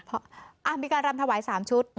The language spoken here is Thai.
อ่ะมีการรำถวายสามชุด